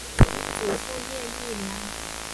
祖父叶益良。